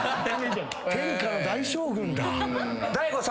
天下の大将軍だ。